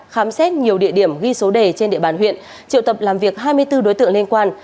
khám xét nhiều địa điểm ghi số đề trên địa bàn huyện triệu tập làm việc hai mươi bốn đối tượng liên quan